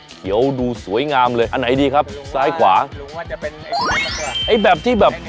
เขียวดูสวยงามเลยอันไหนดีครับซ้ายขวารู้ว่าจะเป็นไอ้แบบที่แบบ